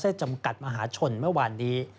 จำกัดมหาชนเมื่อวานนี้